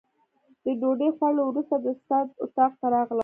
د ډوډۍ خوړلو وروسته د استاد اتاق ته راغلم.